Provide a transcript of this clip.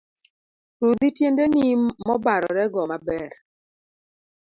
Rudhi tiendeni mobarore go maber.